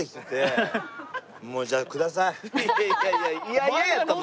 いやいや嫌々やったら。